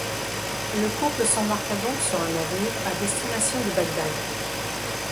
Le couple s'embarqua donc sur un navire à destination de Bagdad.